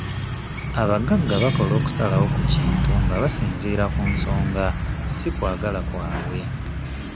Abagagga bakola okusalawo ku kintu nga basinziira ku nsonga si kwagala kwabwe.